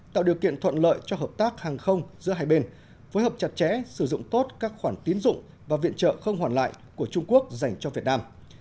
tạo điều kiện thuận lợi cho hợp tác hàng không giữa hai bên phối hợp chặt chẽ sử dụng tốt các khoản tiến dụng và viện trợ không hoàn lại của trung quốc dành cho việt nam